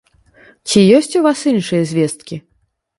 Ці ёсць у вас іншыя звесткі?